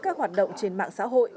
các hoạt động trên mạng xã hội